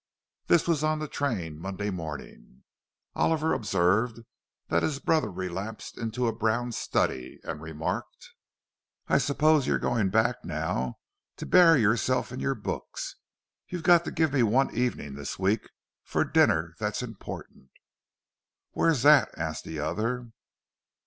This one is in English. This was on the train Monday morning. Oliver observed that his brother relapsed into a brown study, and remarked, "I suppose you're going back now to bury yourself in your books. You've got to give me one evening this week for a dinner that's important." "Where's that?" asked the other.